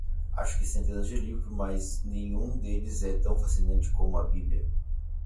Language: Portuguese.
Acho que centenas de livro, mas nenhum deles é tão fascinante como a bíblia.